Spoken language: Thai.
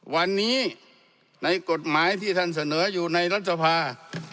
วันนี้ในกฎหมายที่ท่านเสนออยู่ในรัฐสภา